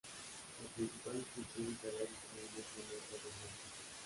La principal inscripción estaría originalmente en letras de bronce.